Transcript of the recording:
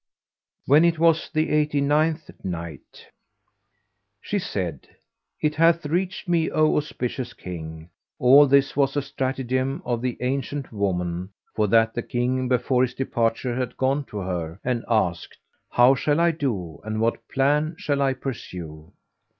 When it was the Eighty ninth Night, She said, It hath reached me, O auspicious King, all this was a stratagem of the ancient woman, for that the King before his departure had gone to her and asked, "How shall I do and what plan shall I pursue?